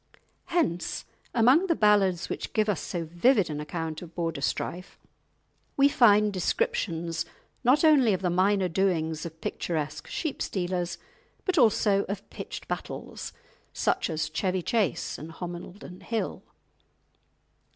Hence, among the ballads which give us so vivid an account of Border strife, we find descriptions not only of the minor doings of picturesque sheep stealers, but also of pitched battles such as Chevy Chase and Homildon Hill.